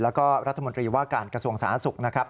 แล้วก็รัฐมนตรีว่าการกระทรวงสาธารณสุขนะครับ